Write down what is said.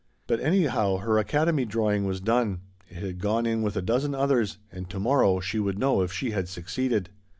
But anyhow her Academy drawing was done; it had gone in with a dozen others, and to morrow she would know if she had succeeded.